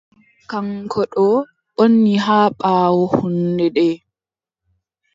Kaŋko ɗon woni haa ɓaawo hunnde nde.